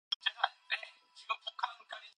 도가니로 은을, 풀무로 금을, 칭찬으로 사람을 시련하느니라